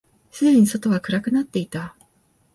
すでに外は暗くなっていた。